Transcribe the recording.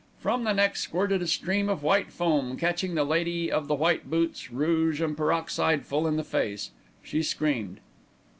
From the neck squirted a stream of white foam, catching the lady of the white boots, rouge and peroxide full in the face. She screamed.